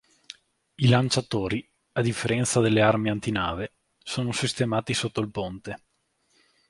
I lanciatori, a differenza delle armi antinave, sono sistemati sotto il ponte.